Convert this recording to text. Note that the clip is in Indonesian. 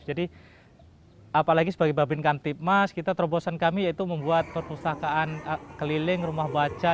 jadi apalagi sebagai babin kamtipmas terobosan kami yaitu membuat perpustakaan keliling rumah baca